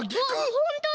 ほんとだ！